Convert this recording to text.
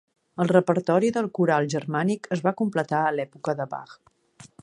El repertori del coral germànic es va completar a l'època de Bach.